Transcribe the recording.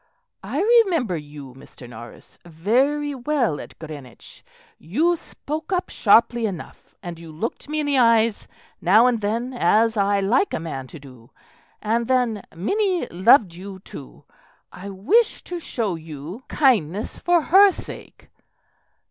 "I remember you, Mr. Norris, very well at Greenwich; you spoke up sharply enough, and you looked me in the eyes now and then as I like a man to do; and then Minnie loved you, too. I wish to show you kindness for her sake."